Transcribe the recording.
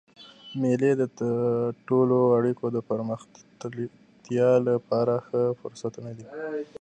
مېلې د ټولنیزو اړیکو د پراختیا له پاره ښه فرصتونه دي.